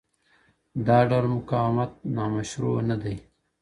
دا ډول مقاومت نا مشروع ندی